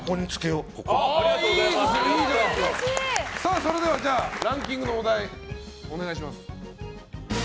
それではランキングのお題をお願いします。